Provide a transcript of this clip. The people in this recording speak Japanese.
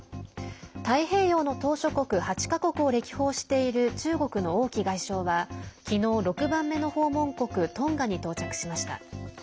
太平洋の島しょ国８か国を歴訪している、中国の王毅外相はきのう６番目の訪問国トンガに到着しました。